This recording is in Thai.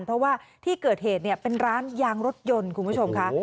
เพราะว่าที่เกิดเหตุเป็นร้านยางรถยนต์คุณผู้ชมค่ะ